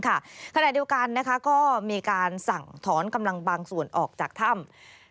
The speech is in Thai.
ขณะเดียวกันก็มีการสั่งถอนกำลังบางส่วนออกจากถ้ำ